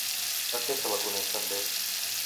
Per què se la coneix també?